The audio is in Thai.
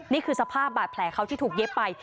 นี่คือสภาพบาดแผลเขาที่ถูกเย็บไป